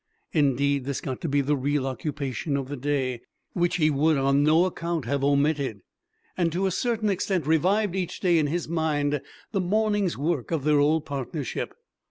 Indeed, this got to be the real occupation of the day, which he would on no account have omitted, and to a certain extent revived each day in his mind the morning's work of their old partnership.